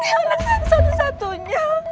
ini anak saya satu satunya